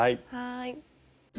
はい。